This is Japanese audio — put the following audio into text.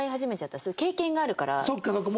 そっかそっか。